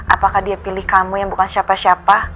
apakah dia pilih kamu yang bukan siapa siapa